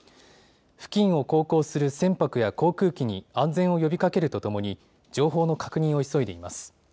付近を航行する船舶や航空機に安全を呼びかけるとともに情報の確認を急いでいます。